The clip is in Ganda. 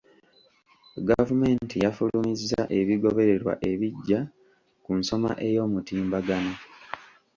Gavumenti yafulumizza ebigobererwa ebiggya ku nsoma ey'omutimbagano.